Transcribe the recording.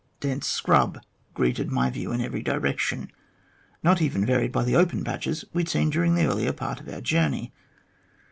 Dense scrub greeted iny view in every direction, not even varied by the open patches we had seen during the earlier part of our journey.